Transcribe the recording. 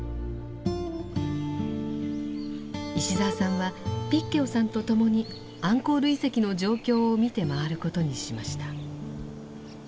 石澤さんはピッ・ケオさんと共にアンコール遺跡の状況を見て回ることにしました。